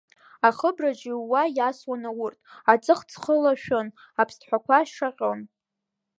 Ахыбраҿ иууа иасуан аурҭ, аҵых ҵхы лашәын, аԥсҭҳәақәа шаҟьон.